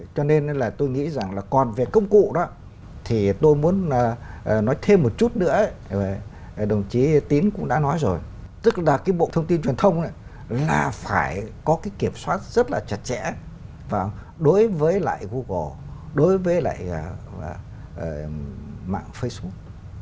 cho nên là tôi nghĩ rằng là còn về công cụ đó thì tôi muốn nói thêm một chút nữa đồng chí tín cũng đã nói rồi tức là cái bộ thông tin truyền thông là phải có cái kiểm soát rất là chặt chẽ đối với lại google đối với lại mạng facebook